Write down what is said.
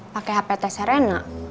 pakai hp tes serena